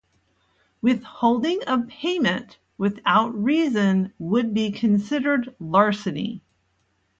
Withholding of payment without reason would be considered larceny.